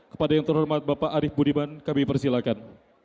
kepada yang terhormat bapak arief budiman kami persilakan